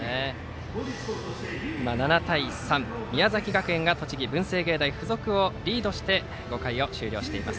７対３と宮崎学園が栃木・文星芸大付属をリードして５回を終了しています。